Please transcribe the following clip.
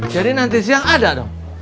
jadi nanti siang ada dong